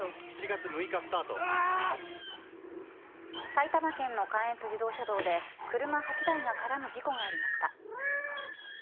埼玉県の関越自動車道で車８台が絡む事故がありました。